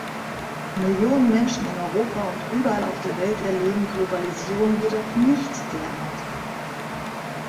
Millionen Menschen in Europa und überall auf der Welt erleben Globalisierung jedoch nicht derart.